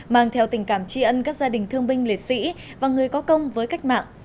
mang theo tình cảm tri ân các gia đình thương binh liệt sĩ và người có công với cách mạng